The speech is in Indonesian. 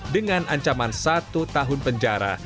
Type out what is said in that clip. dengan ancaman satu tahun penjara